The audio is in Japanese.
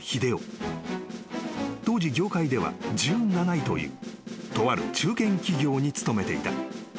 ［当時業界では１７位というとある中堅企業に勤めていた］